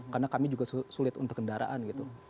karena kami juga sulit untuk kendaraan gitu